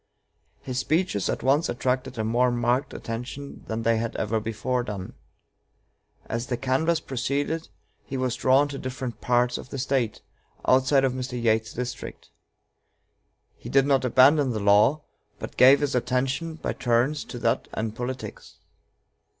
His speeches at once attracted a more marked attention than they had ever before done. As the canvass proceeded he was drawn to different parts of the State, outside of Mr. Yates's district. He did not abandon the law, but gave his attention by turns to that and politics.